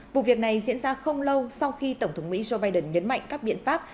vụ việc này diễn ra không lâu sau khi tổng thống mỹ joe biden nhấn mạnh các biện pháp